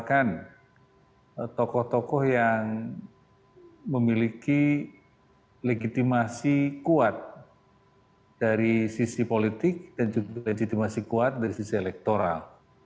dan juga legitimasi kuat dari sisi elektoral